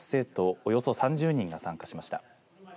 およそ３０人が参加しました。